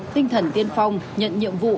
tinh thần tiên phong nhận nhiệm vụ